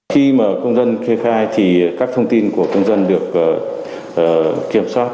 khi mà công dân kê khai thì các thông tin của công dân được kiểm soát